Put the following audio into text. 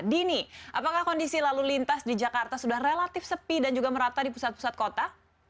dini apakah kondisi lalu lintas di jakarta sudah relatif sepi dan juga merata di pusat pusat kota